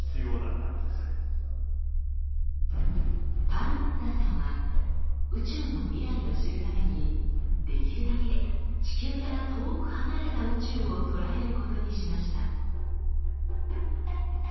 パールムッターさんは宇宙の未来を知るためにできるだけ地球から遠く離れた宇宙を捉えることにしました。